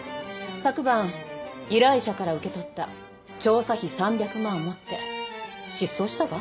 昨晩依頼者から受け取った調査費３００万を持って失踪したわ。